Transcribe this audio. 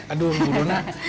aduh bu dona